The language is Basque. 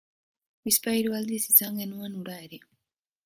Bizpahiru aldiz izan genuen hura ere.